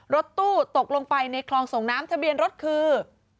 รถตู้ตกลงไปในคลองส่งน้ำทะเบียนรถคือ